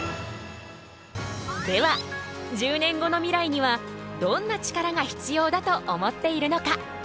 では１０年後のミライにはどんなチカラが必要だと思っているのか？